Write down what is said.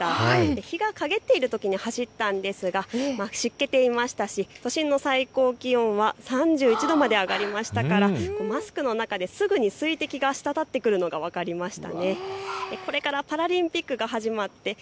日がかげっているときに走ったんですが都心の最高気温が３１度まで上がりましたからマスクの中ですぐに水滴がしたたってくるのが分かりました。